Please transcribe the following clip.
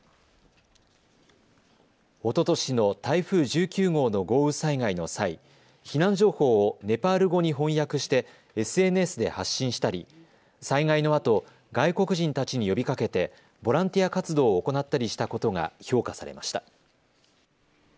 おととしの台風１９号の豪雨災害の際、避難情報をネパール語に翻訳してＳＮＳで発信したり災害のあと外国人たちに呼びかけてボランティア活動を行ったりしたことが評価されました。